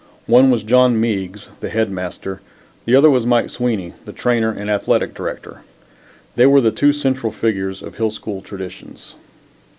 One was John Meigs, the Head Master. The other was Mike Sweeney, the Trainer and Athletic Director. They were the two central figures of Hill School traditions.